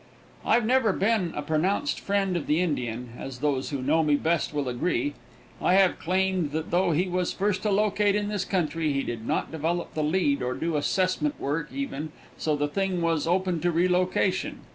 I've never been a pronounced friend of the Indian, as those who know me best will agree. I have claimed that though he was first to locate in this country, he did not develop the lead or do assessment work even, so the thing was open to re location.